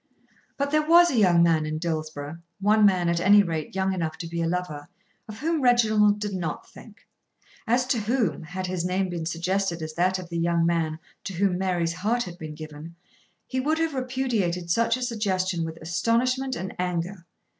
But there was a young man in Dillsborough, one man at any rate young enough to be a lover, of whom Reginald did not think; as to whom, had his name been suggested as that of the young man to whom Mary's heart had been given, he would have repudiated such a suggestion with astonishment and anger.